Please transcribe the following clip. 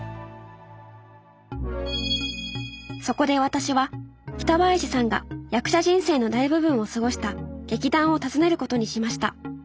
そこで私は北林さんが役者人生の大部分を過ごした劇団を訪ねることにしました。